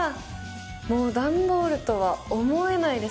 もう段ボールとは思えないですね。